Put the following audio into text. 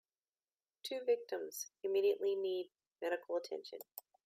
Two victims immediately need medical attention.